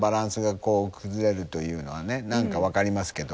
何か分かりますけど。